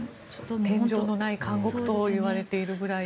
天井のない監獄といわれているぐらいで。